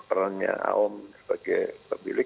perannya aom sebagai pemilik